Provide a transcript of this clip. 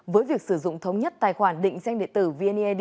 với việc sử dụng thống nhất tài khoản định danh điện tử vneid